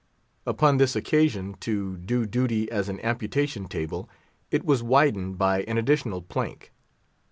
Upon this occasion, to do duty as an amputation table, it was widened by an additional plank.